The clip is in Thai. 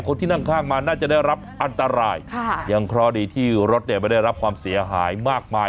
คนที่นั่งข้างมาน่าจะได้รับอันตรายค่ะยังเคราะห์ดีที่รถเนี่ยไม่ได้รับความเสียหายมากมาย